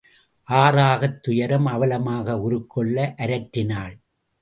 ஆறாகத் துயரம் அவலமாக உருக்கொள்ள அரற்றினாள்.